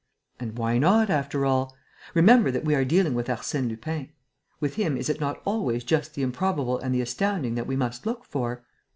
And why not, after all? Remember that we are dealing with Arsène Lupin. With him, is it not always just the improbable and the astounding that we must look for?